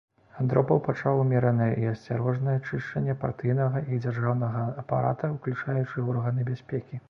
Андропаў пачаў умеранае і асцярожнае чышчанне партыйнага і дзяржаўнага апарата, улучаючы органы бяспекі.